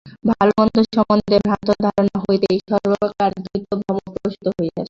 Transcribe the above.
ভাল-মন্দ সম্বন্ধে ভ্রান্ত ধারণা হইতেই সর্বপ্রকার দ্বৈত ভ্রম প্রসূত হইয়াছে।